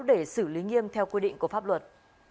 để xử lý nghiêm theo quy định của pháp luật